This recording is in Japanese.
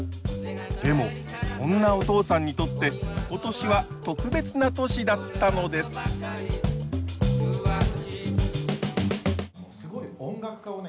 でもそんなお父さんにとって今年は特別な年だったのです「すごい音楽家をね